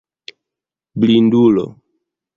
Blindulo!